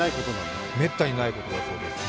めったにないことなんですか。